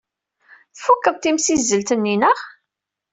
Tfukeḍ timsizzelt-nni, naɣ?